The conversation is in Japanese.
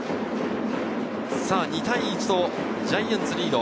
２対１とジャイアンツリード。